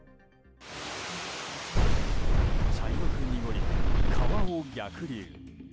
茶色く濁り、川を逆流。